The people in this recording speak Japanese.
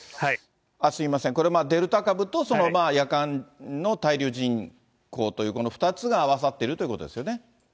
すみません、これ、デルタ株と夜間の滞留人口という、この２つが合わさっているということですよね？